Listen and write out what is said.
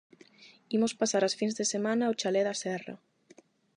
Imos pasar as fins de semana ao chalé da serra.